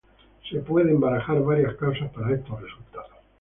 Se pueden barajar varias causas para estos resultados.